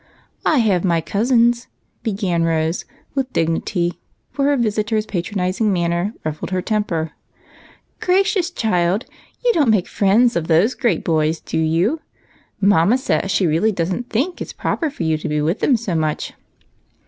" I have my cousins," began Rose, with dignity, for her visitor's patronizing manner ruffled her temper. " Gracious, child ! you don't make friends of those great boys, do you ? Mamma says she really does n't think it's proper for you to be Avith them so much.''